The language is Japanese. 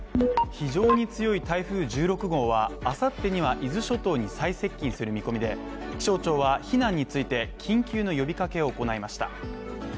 非常に強い台風１６号は、明後日には伊豆諸島に最接近する見込みで気象庁は避難について、緊急の呼びかけを行いました。